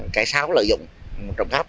cái sáo lợi dụng trộm cấp